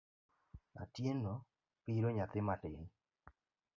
Atieno piro nyathi matin.